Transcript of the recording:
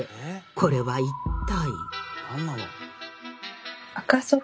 これは一体？